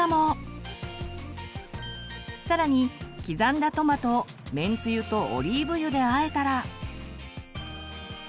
さらに刻んだトマトをめんつゆとオリーブ油で和えたら。